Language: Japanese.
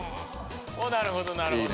なるほどなるほど。